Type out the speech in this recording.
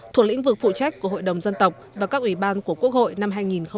thuộc lĩnh vực phụ trách của hội đồng dân tộc và các ủy ban của quốc hội năm hai nghìn hai mươi